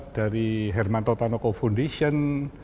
dari hermanto tanoko foundation